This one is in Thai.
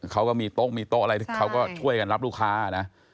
เขาก็มีโต๊ะมีโต๊ะอะไรเขาก็ช่วยกันรับลูกค้านะ